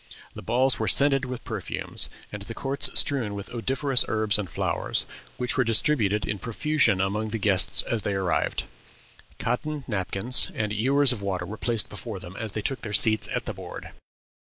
The balls were scented with perfumes, and the courts strewed with odoriferous herbs and flowers, which were distributed in profusion among the guests as they arrived. Cotton napkins and ewers of water were placed before them as they took their seats at the board.